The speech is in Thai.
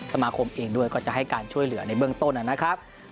สมาคมเองด้วยก็จะให้การช่วยเหลือในเบื้องต้นนะครับ